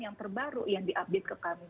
yang terbaru yang diupdate ke kami